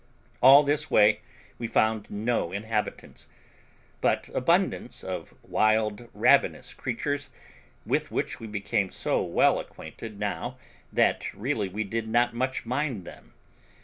All this way we found no inhabitants, but abundance of wild ravenous creatures, with which we became so well acquainted now that really we did not much mind them.